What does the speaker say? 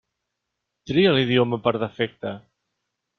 Tria l'idioma per defecte.